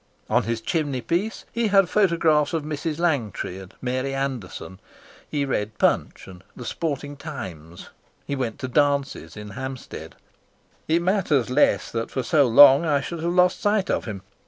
On his chimney piece he had photographs of Mrs. Langtry and Mary Anderson. He read and the . He went to dances in Hampstead. It matters less that for so long I should have lost sight of him.